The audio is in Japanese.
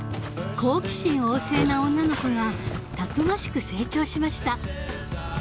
好奇心旺盛な女の子がたくましく成長しました。